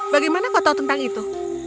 bagaimana kau tahu tentang itu